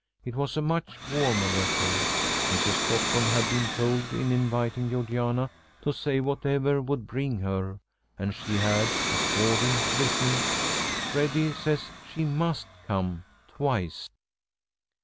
It was a much warmer letter. Mrs. Cockburn had been told in inviting Georgiana to say whatever would bring her, and she had according written "Freddy says she must come," twice.